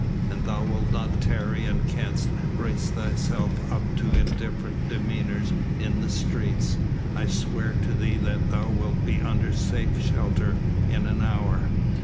An thou wilt not tarry and canst brace thyself up to indifferent demeanour in the streets, I swear to thee that thou wilt be under safe shelter in an hour."